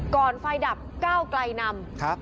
ก่อนไฟดับเก้าไกลนำ